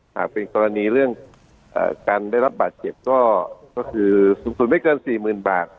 หากเป็นกรณีเรื่องอ่าการได้รับบัตรเก็บก็ก็คือสูงสุดไม่เกินสี่หมื่นบาท